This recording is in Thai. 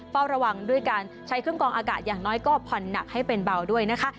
เฝ้าระวังด้วยการใช้เครื่องกองอากาศอย่างน้อยก็ผ่อนหนักให้เป็นเบาด้วยนะคะ